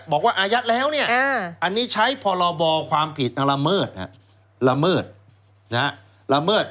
บอกว่าอายัดแล้วเนี่ยอันนี้ใช้พรบความผิดละเมิด